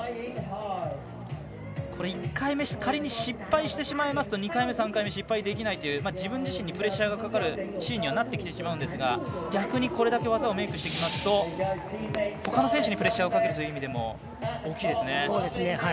これ、１回目仮に失敗してしまうと２回目、３回目失敗できないという自分自身にプレッシャーがかかるシーンにはなってきてしまうんですが逆にこれだけ技をメイクしてきますとほかの選手にプレッシャーをかけるという意味でも大きいですね。